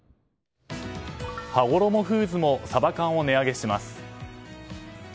はごろもフーズもサバ缶を値上げします。